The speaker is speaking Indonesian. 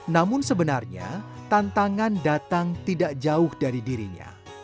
namun sebenarnya tantangan datang tidak jauh dari dirinya